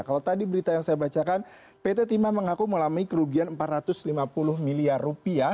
kalau tadi berita yang saya bacakan pt timah mengaku mengalami kerugian empat ratus lima puluh miliar rupiah